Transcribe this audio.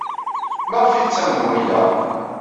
Maɣef ay tettamnem wiyaḍ?